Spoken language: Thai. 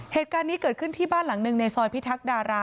เหตุการณ์นี้เกิดขึ้นที่บ้านหลังหนึ่งในซอยพิทักษ์ดารา